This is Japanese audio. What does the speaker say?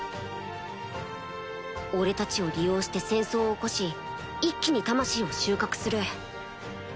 俺たちを利用して戦争を起こし一気に魂を収穫する